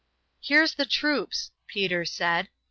"There's the troops," Peter said.